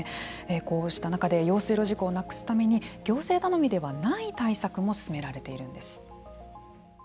こうした中で用水路事故を無くすために行政頼みではない対策も進められているんです。